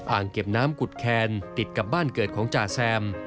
อ่างเก็บน้ำกุฎแคนติดกับบ้านเกิดของจ่าแซม